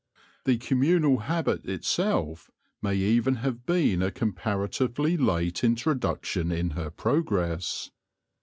The communal habit itself may even have been a comparatively late introduction in her progress.